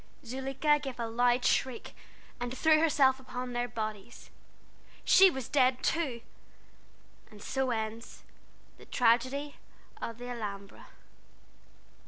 Zuleika gave a loud shriek, and threw herself upon their bodies. She was dead, too! And so ends the Tragedy of the Alhambra."